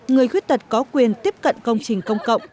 người khuyết tật có quyền tiếp cận công trình công cộng